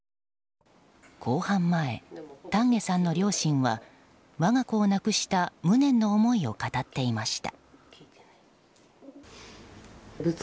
公判前、丹下さんの両親は我が子を亡くした無念の思いを語っていました。